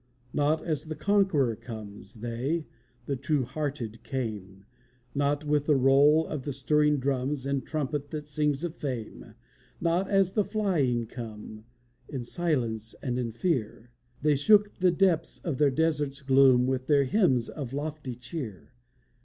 Not as the conqueror comes, They, the true hearted, came: Not with the roll of the stirring drums, And the trumpet that sings of fame; Not as the flying come, In silence and in fear, They shook the depths of the desert's gloom With their hymns of lofty cheer.